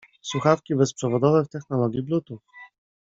Słuchawki bezprzewodowe w technologii bluetooth.